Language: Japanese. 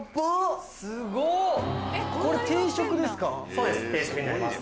そうです定食になります。